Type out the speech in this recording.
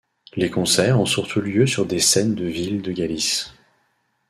Les concerts ont surtout lieu sur des scènes de villes de Galice.